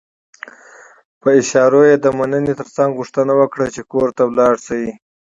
په اشارو يې د مننې ترڅنګ غوښتنه وکړه چې کور ته لاړ شي.